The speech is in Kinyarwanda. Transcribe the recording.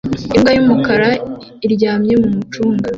Imbwa y'umukara iryamye mu mucanga